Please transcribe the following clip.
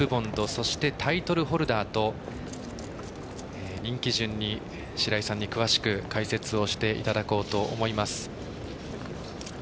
そして、タイトルホルダーと人気順に白井さんに詳しく解説をしていただこうと思います。